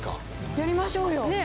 やりましょうよ。ねぇ。